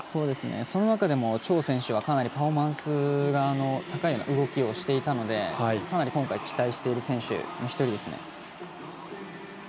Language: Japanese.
その中でも張選手はかなりパフォーマンスが高いような動きをしているのでかなり期待している選手の１人ですね。